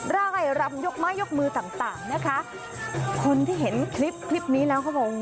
รายรับยกมือยกมือต่างนะคะคนที่เห็นคลิปคลิปนี้แล้วก็บอก